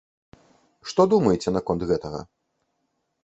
Што думаеце наконт гэтага?